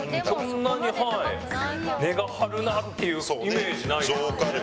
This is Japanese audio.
そんなに値が張るなっていうイメージないですもんね。